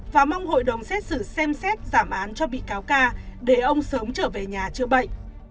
và mong hội đồng xét xử xem xét giảm án cho bị cáo ca để ông sớm trở về nhà chữa bệnh